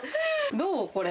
どう、これ？